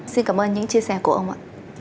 xin cảm ơn những chia sẻ của ông ạ